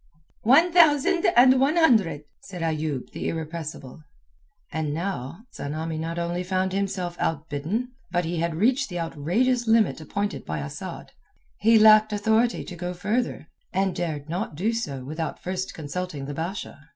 "One thousand and one hundred," said Ayoub the irrepressible And now Tsamanni not only found himself outbidden, but he had reached the outrageous limit appointed by Asad. He lacked authority to go further, dared not do so without first consulting the Basha.